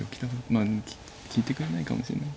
まあ利いてくれないかもしれない。